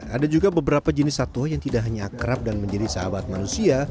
ada juga beberapa jenis satwa yang tidak hanya akrab dan menjadi sahabat manusia